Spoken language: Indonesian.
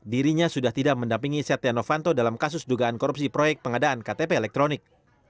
dirinya sudah tidak mendampingi setia novanto dalam kasus dugaan korupsi proyek pengadaan ktp elektronik